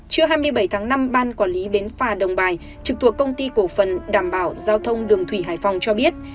trưa hai mươi bảy tháng năm ban quản lý bến phà đồng bài trực thuộc công ty cổ phần đảm bảo giao thông đường thủy hải phòng cho biết